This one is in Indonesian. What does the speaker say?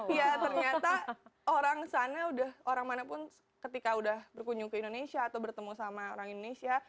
iya ternyata orang sana udah orang manapun ketika udah berkunjung ke indonesia atau bertemu sama orang indonesia